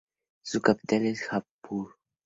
Su capital es Jaipur.